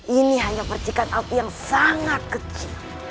ini hanya percikan api yang sangat kecil